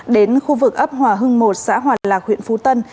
đến khu vực ấp hòa hưng một xã hòa lạc huyện phú tân